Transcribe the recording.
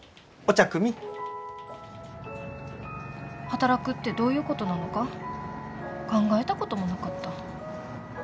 働くってどういうことなのか考えたこともなかった。